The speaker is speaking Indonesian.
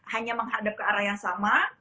hanya menghadap ke arah yang sama